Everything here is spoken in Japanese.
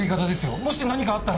もし何かあったら。